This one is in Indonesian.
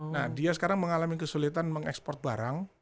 nah dia sekarang mengalami kesulitan mengekspor barang